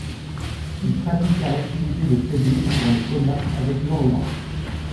Ils pratiquèrent l'activité de crédit dans les commerces avec l'Orient.